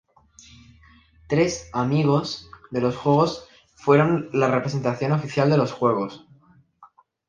Tres "amigos" de los juegos fueron la representación oficial de los Juegos.